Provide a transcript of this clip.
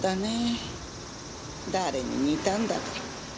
誰に似たんだか。